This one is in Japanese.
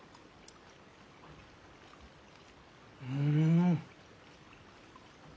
うん！